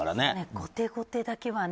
後手後手だけはね。